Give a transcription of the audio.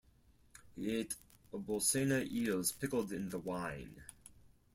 He ate Bolsena eels pickled in the wine.